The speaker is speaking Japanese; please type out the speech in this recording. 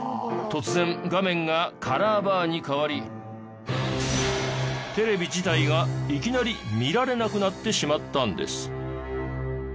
突然画面がカラーバーに変わりテレビ自体がいきなり見られなくなってしまったんです。